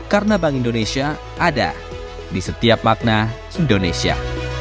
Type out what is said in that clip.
karena bank indonesia ada di setiap makna indonesia